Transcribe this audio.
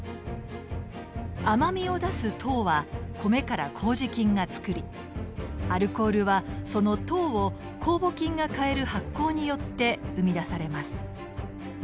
甘みを出す糖は米から麹菌がつくりアルコールはその糖をこうぼ菌が変える発酵によって生み出されます。